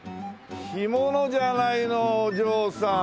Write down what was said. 干物じゃないのお嬢さん！